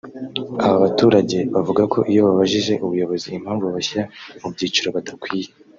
Aba baturage bavuga ko iyo babajije ubuyobozi impamvu babashyira mu byiciro badakwiye